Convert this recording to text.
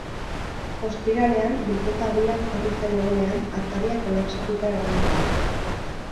Ostiralean, bilketa abian jarri zen egunean, ataria kolapsatuta egon zen.